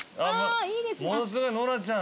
ものすごいノラちゃん。